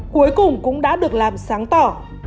cuối cùng cũng đã được làm sáng tỏ